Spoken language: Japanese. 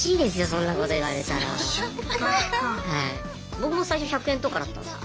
僕も最初１００円とかだったんですよ。